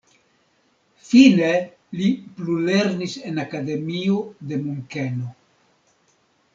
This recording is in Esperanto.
Fine li plulernis en akademio de Munkeno.